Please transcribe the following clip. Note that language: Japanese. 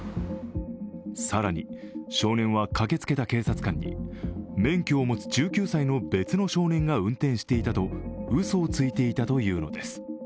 更に、少年は駆けつけた警察官に免許を持つ１９歳の別の少年が運転していたとうそをついていたというのです。